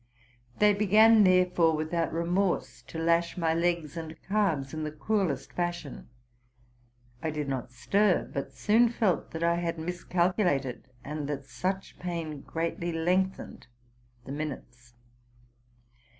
They began, therefore, without remorse, to lash my legs and calves in the cruellest fashion. I did not stir, but soon felt that I had misealculated, and that such pain greatly lengthened the minutes.